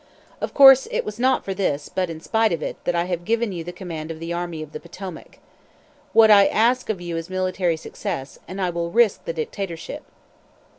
Of course, it was not for this, but in spite of it, that I have given you the command of the Army of the Potomac. What I now ask of you is military success, and I will risk the dictatorship!"